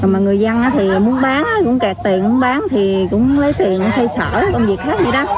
mà người dân thì muốn bán cũng kẹt tiền cũng bán thì cũng lấy tiền xây sở công việc hết vậy đó